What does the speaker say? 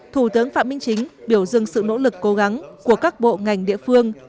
thủ tướng phạm minh chính biểu dưng sự nỗ lực cố gắng của các bộ ngành địa phương